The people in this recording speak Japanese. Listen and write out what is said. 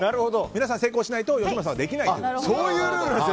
皆さん成功しないと吉村さんはできないと。